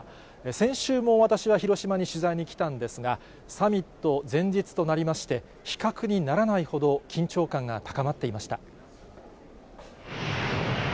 先週も私は広島に取材に来たんですが、サミット前日となりまして、比較にならないほど緊張感が高まっていました。